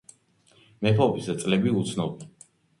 მეფობის წლები უცნობია.